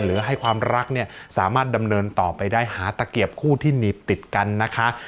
หรือให้ความรักเนี่ยสามารถดำเนินต่อไปได้หาตะเกียบคู่ที่หนีบติดกันนะคะ